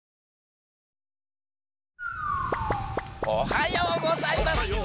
おはようございます！